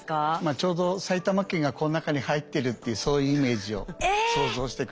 ちょうど埼玉県がこの中に入ってるっていうそういうイメージを想像して下さい。